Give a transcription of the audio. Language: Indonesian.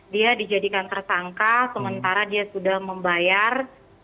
dia dijadikan tersangka sementara dia sudah membayar